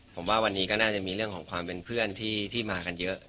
ผมว่าวันนี้ก็น่าจะมีเรื่องของความเป็นเพื่อนที่มากันเยอะ